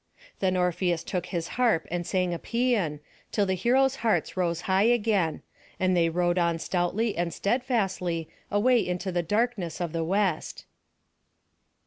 Then Orpheus took his harp and sang a pæan, till the heroes' hearts rose high again; and they rowed on stoutly and steadfastly, away into the darkness of the West.